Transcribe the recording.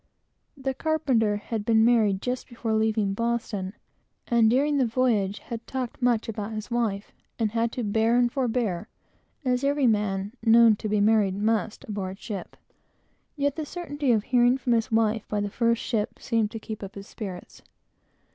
The carpenter had been married just before leaving Boston, and during the voyage had talked much about his wife, and had to bear and forbear, as every man, known to be married, must, aboard ship; yet the certainty of hearing from his wife by the first ship, seemed to keep up his spirits.